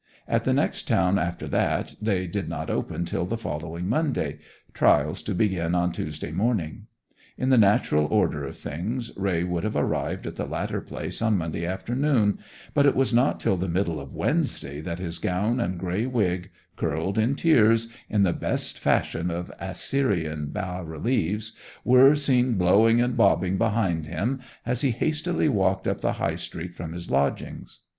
At the next town after that they did not open till the following Monday, trials to begin on Tuesday morning. In the natural order of things Raye would have arrived at the latter place on Monday afternoon; but it was not till the middle of Wednesday that his gown and grey wig, curled in tiers, in the best fashion of Assyrian bas reliefs, were seen blowing and bobbing behind him as he hastily walked up the High Street from his lodgings.